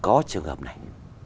có trường hợp này